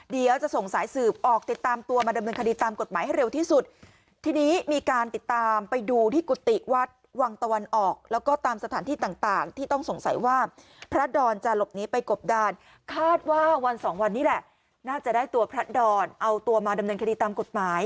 เดี๋ยวจะส่งสายสืบออกติดตามตัวมาดำเนินคดีตามกฎหมายให้เร็วที่สุด